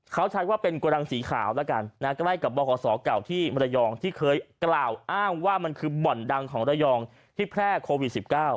เขาใช้ว่าเป็นโกดังสีขาวแล้วกันนะใกล้กับบขศเก่าที่มรยองที่เคยกล่าวอ้างว่ามันคือบ่อนดังของระยองที่แพร่โควิด๑๙